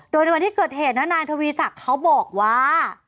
โดยในวันที่เกิดเหตุนะนายทวีศักดิ์เขาบอกว่า